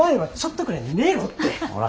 ほら。